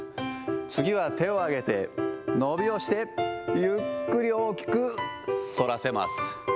次は手を上げて、伸びをして、ゆっくり大きくそらせます。